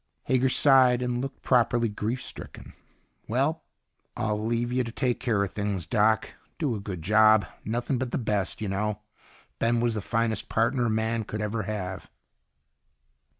Hager sighed and looked properly grief stricken. "Well, I'll leave you to take care of things, Doc. Do a good job nothing but the best, you know. Ben was the finest partner a man could ever have."